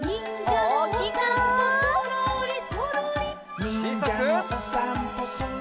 ちいさく。